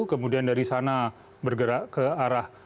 kemudian dari sana bergerak ke arah